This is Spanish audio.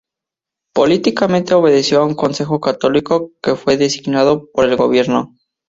Políticamente, obedeció a un consejo católico que fue designado por el gobierno.